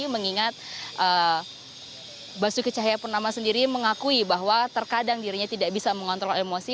mengingat basuki cahaya purnama sendiri mengakui bahwa terkadang dirinya tidak bisa mengontrol emosi